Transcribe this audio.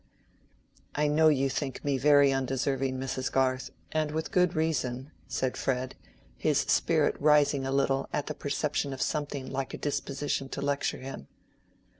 "I know you think me very undeserving, Mrs. Garth, and with good reason," said Fred, his spirit rising a little at the perception of something like a disposition to lecture him.